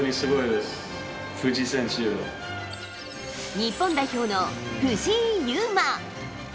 日本代表の藤井祐眞。